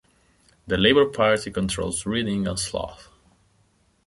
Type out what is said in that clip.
The Labour Party controls Reading and Slough.